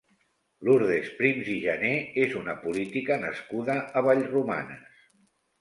Lurdes Prims i Jané és una política nascuda a Vallromanes.